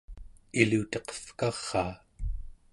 iluteqevkaraa